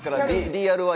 ＤＲＹ？